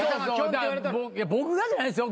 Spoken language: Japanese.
僕がじゃないですよ。